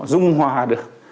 dung hòa được